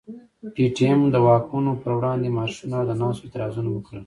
پي ټي ايم د واکمنو پر وړاندي مارشونه او د ناستو اعتراضونه وکړل.